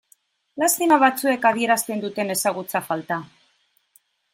Lastima batzuek adierazten duten ezagutza falta.